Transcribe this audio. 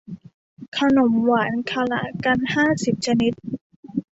ขนมหวานคละกันห้าสิบชนิด